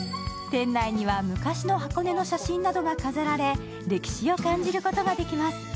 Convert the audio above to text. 店内には昔の箱根の写真などが飾られ、歴史を感じることができます